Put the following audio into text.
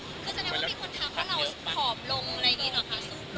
คือจะไม่มีคนทางว่าเราผอมลงอะไรอย่างนี้หรอคะ